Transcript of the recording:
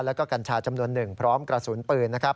แล้วก็กัญชาจำนวนหนึ่งพร้อมกระสุนปืนนะครับ